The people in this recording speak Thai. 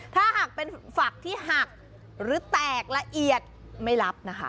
ถ้าหากเป็นฝักที่หักหรือแตกละเอียดไม่รับนะคะ